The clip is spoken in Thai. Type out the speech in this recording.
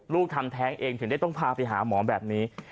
ทำแท้งเองถึงได้ต้องพาไปหาหมอแบบนี้